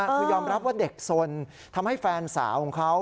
คือยอมรับว่าเด็กสนทำให้แฟนสาวของเขา